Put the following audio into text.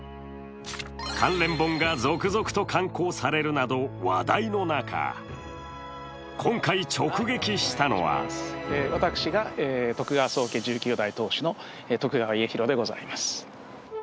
関連本が続々と刊行されるなど今、話題の中、私が徳川宗家第１９代当主の徳川家広でございます。